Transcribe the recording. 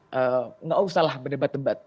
tidak usah lah berdebat debat